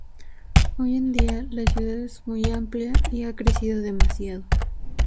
Hoy en día, la ciudad es muy amplia, y ha crecido demasiado.